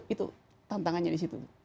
itu tantangannya di situ